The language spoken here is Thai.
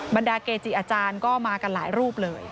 บรรดาเกจิอาจารย์ก็มากันหลายรูปเลย